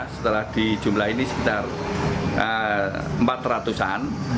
setelah di jumlah ini sekitar empat ratus an